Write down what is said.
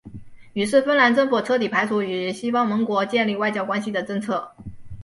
于是芬兰政府彻底排除与西方盟国建立外交关系的政策。